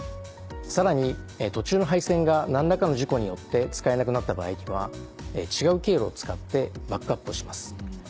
さらに途中の配線が何らかの事故によって使えなくなった場合には違う経路を使ってバックアップをします。